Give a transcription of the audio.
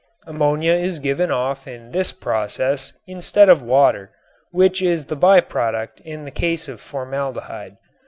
Ammonia is given off in this process instead of water which is the by product in the case of formaldehyde.